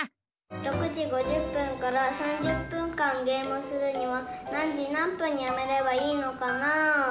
６時５０分から３０分間ゲームするには何時何分にやめればいいのかなぁ？